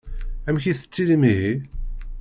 Amek i tettilim ihi?